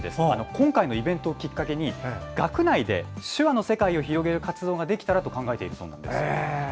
今回のイベントをきっかけに学内で手話の世界を広げる活動ができたらと考えているそうです。